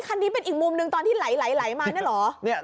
คันนี้เป็นอีกมุมหนึ่งตอนที่ไหลมาเนี่ยเหรอ